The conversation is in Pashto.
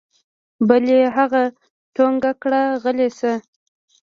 بل يې هغه ټونګه کړ غلى سه.